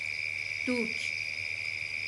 دوک